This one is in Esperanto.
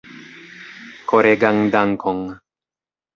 Koregan dankon!